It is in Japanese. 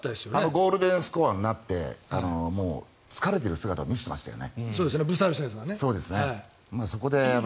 ゴールデンスコア方式になって疲れている姿を見せてましたよね。